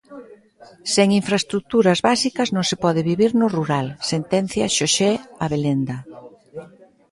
"Sen infraestruturas básicas non se pode vivir no rural", sentencia Xosé Abelenda.